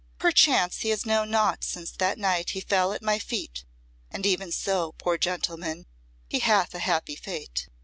"Perchance he has known naught since that night he fell at my feet and even so, poor gentleman, he hath a happy fate.